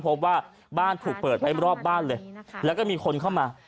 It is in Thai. พบว่าบ้านถูกเปิดไว้รอบบ้านเลยแล้วก็มีคนเข้ามา